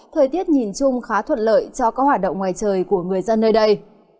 thời tiết nhìn chung khá thuận lợi cho các hoạt động ngoài trời của người dân nơi đây